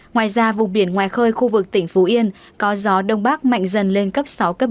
ngoài ra vùng biển ngoài khơi khu vực tỉnh phụ yên có gió đông bắc mạnh dần lên cấp sáu bảy